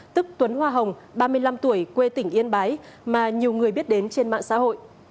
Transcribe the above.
tức tuấn hoa hồng ba mươi năm tuổi quê tỉnh yên bái mà nhiều người biết đến trên mạng xã hội